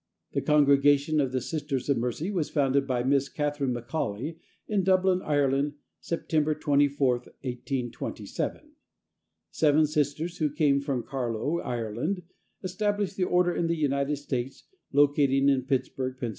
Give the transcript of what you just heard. The Congregation of the Sisters of Mercy was founded by Miss Catherine McAuley, in Dublin, Ireland, September 24, 1827. Seven Sisters, who came from Carlow, Ireland, established the order in the United States, locating in Pittsburg, Pa.